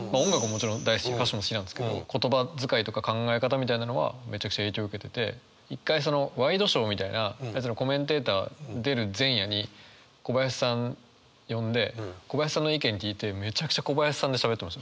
もちろん大好き歌詞も好きなんですけど言葉遣いとか考え方みたいなのはめちゃくちゃ影響受けてて一回そのワイドショーみたいなやつのコメンテーター出る前夜に小林さん呼んで小林さんの意見聞いてめちゃくちゃ小林さんでしゃべってました。